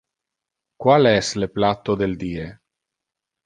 Qual es le platto del die.